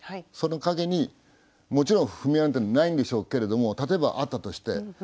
その蔭にもちろん踏絵なんてないんでしょうけれども例えばあったとして。